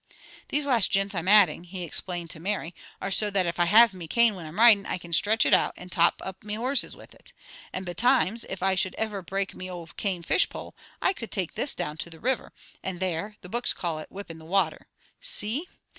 "These last jints I'm adding," he explained to Mary, "are so that if I have me cane whin I'm riding I can stritch it out and touch up me horses with it. And betimes, if I should iver break me old cane fish pole, I could take this down to the river, and there, the books call it 'whipping the water.' See!